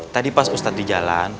tadi pas ustadz di jalan